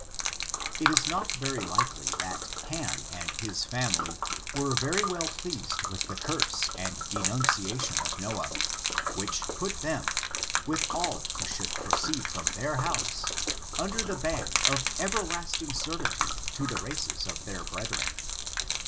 It is not very likely that Ham and his family were very well pleased with the curse and d^iundation of Noah, which put them, with ail who should pro ceed from their house, under the ban of everlasting servitude to the races of their brediren.